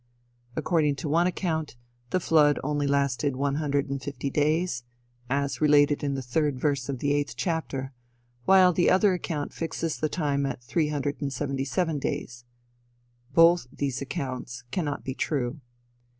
According to one account, the flood only lasted one hundred and fifty days as related in the third verse of the eighth chapter; while the other account fixes the time at three hundred and seventy seven days. Both of these accounts cannot be true.